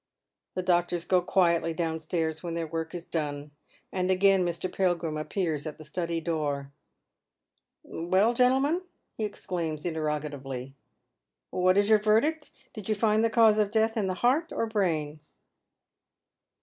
The doctors go quietly downstairs when their work is done^ and again Mr. Pilgrim appears at the study door. " Well, gentleman ?" he exclaims interrogatively, " "What is your verdict ? Do you find the cause of death in the heart or brain?"